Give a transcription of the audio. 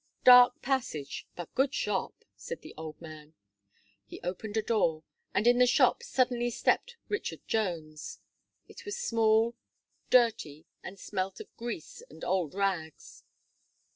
"Dark passage, but good shop," said the old man. He opened a door, and in the shop suddenly stepped Richard Jones. It was small, dirty, and smelt of grease and old rags.